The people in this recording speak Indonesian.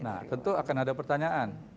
nah tentu akan ada pertanyaan